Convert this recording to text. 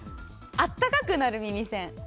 あったかくなる耳栓。